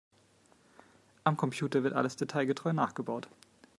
Am Computer wird alles detailgetreu nachgebaut.